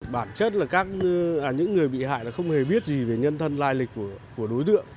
bản chất là những người bị hại là không hề biết gì về nhân thân lai lịch của đối tượng